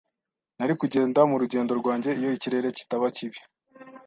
Nari kugenda mu rugendo rwanjye iyo ikirere kitaba kibi.